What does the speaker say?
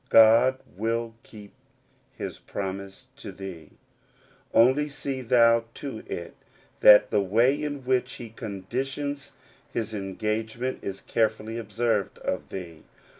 God will keep his promise to thee ; only see thou to it that the way in which he conditions his engagement is carefully observed of thee.